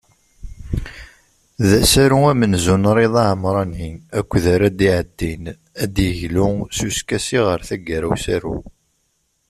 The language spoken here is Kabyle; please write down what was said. D asaru amenzu n Rida Amrani akked ara d-iɛeddin, ad d-yeglu s uskasi ɣer tagara n usaru.